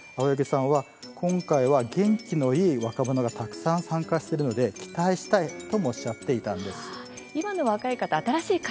今回は元気のいい若者がたくさんし参加しているので期待したいともおっしゃっていました。